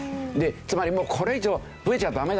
つまりもうこれ以上増えちゃダメなんだ。